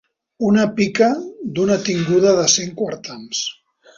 Una pica d'una tinguda de cent quartans.